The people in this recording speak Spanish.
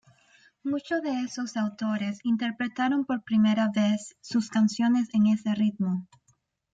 Muchos de esos autores interpretaron por primera vez sus canciones en ese ritmo.